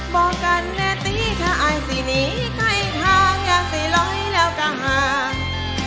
บอกกันแน่ตีถ้าอายสิหนีใกล้ทางอยากสิลอยแล้วก็ห่าง